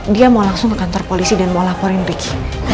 dia mau langsung ke kantor polisi dan mau laporin big